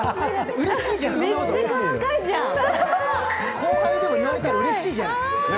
うれしいけど、後輩でも言われたらうれしいじゃん。